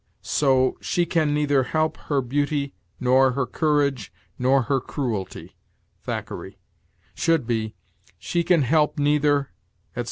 So, "She can neither help her beauty, nor her courage, nor her cruelty" (Thackeray), should be, "She can help neither," etc.